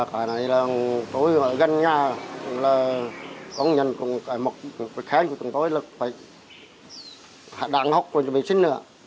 cái này là tôi ở gần nhà là công nhân của một khách hàng của tương lai là phải đàn học cho người sinh nữa